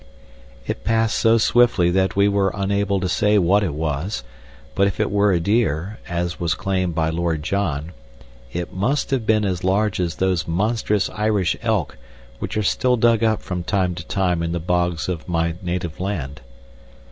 It passed so swiftly that we were unable to say what it was; but if it were a deer, as was claimed by Lord John, it must have been as large as those monstrous Irish elk which are still dug up from time to time in the bogs of my native land.